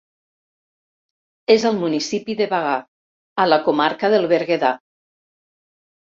És al municipi de Bagà, a la comarca del Berguedà.